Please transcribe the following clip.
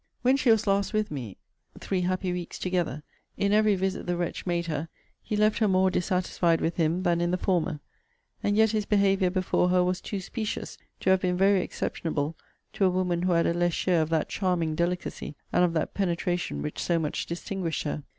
When she was last with me, (three happy weeks together!) in every visit the wretch made her, he left her more dissatisfied with him than in the former. And yet his behaviour before her was too specious to have been very exceptionable to a woman who had a less share of that charming delicacy, and of that penetration, which so much distinguished her.